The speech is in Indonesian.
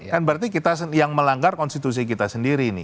kan berarti kita yang melanggar konstitusi kita sendiri nih